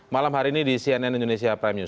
malam hari ini di cnn indonesia prime news